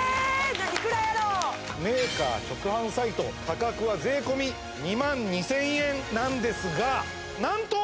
いくらやろうメーカー直販サイト価格は税込２万２０００円なんですが何と！